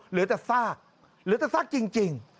เหลือแต่ซากเหลือแต่ซากจริง